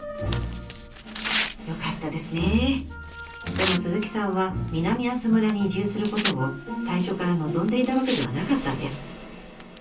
でも鈴木さんは南阿蘇村に移住することを最初から望んでいたわけではなかったんです。